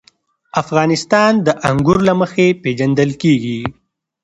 افغانستان د انګور له مخې پېژندل کېږي.